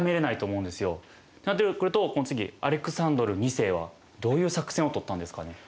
そうなってくるとこの次アレクサンドル２世はどういう作戦を取ったんですかね？